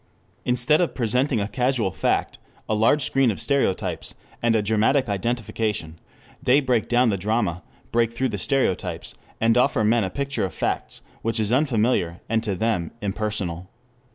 Instead of presenting a casual fact, a large screen of stereotypes, and a dramatic identification, they break down the drama, break through the stereotypes, and offer men a picture of facts, which is unfamiliar and to them impersonal.